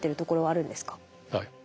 はい。